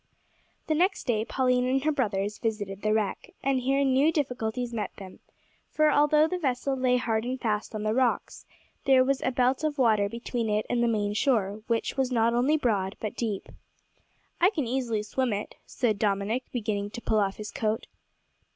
The next day Pauline and her brothers visited the wreck, and here new difficulties met them, for although the vessel lay hard and fast on the rocks, there was a belt of water between it and the main shore, which was not only broad, but deep. "I can easily swim it," said Dominick, beginning to pull off his coat.